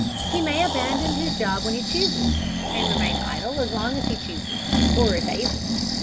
He may abandon his job when he chooses, and remain idle as long as he chooses, or is able.